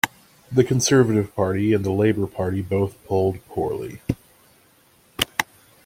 The Conservative Party and the Labour Party both polled poorly.